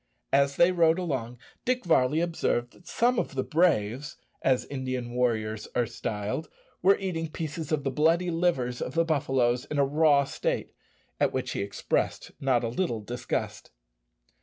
As they rode along, Dick Varley observed that some of the "braves," as Indian warriors are styled, were eating pieces of the bloody livers of the buffaloes in a raw state, at which he expressed not a little disgust.